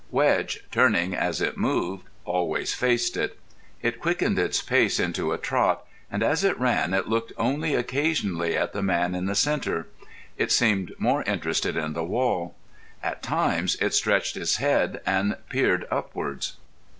Wedge, turning as it moved, always faced it. It quickened its pace into a trot, and as it ran it looked only occasionally at the man in the centre. It seemed more interested in the wall. At times it stretched its head and peered upwards.